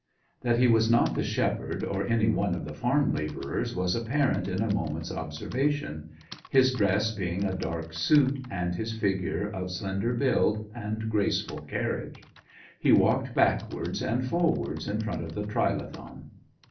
That he was not the shepherd or any one of the farm labourers was apparent in a moment's observation, his dress being a dark suit, and his figure of slender build and graceful carriage. He walked backwards and forwards in front of the trilithon.